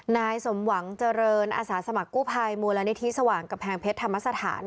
นายสมหวังเจริญอาสาสมัครกู้ภัยมูลนิธิสว่างกำแพงเพชรธรรมสถาน